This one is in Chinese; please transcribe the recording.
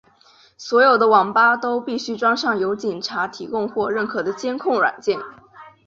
所有的网吧都必须装上由警察提供或认可的监控软件。